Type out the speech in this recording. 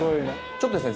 ちょっとですね